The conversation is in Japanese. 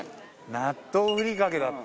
納豆ふりかけだって。